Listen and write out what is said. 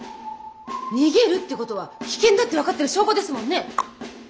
逃げるってことは危険だって分かってる証拠ですもんね！